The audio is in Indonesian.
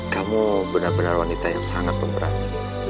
kamu benar benar wanita yang sangat memberani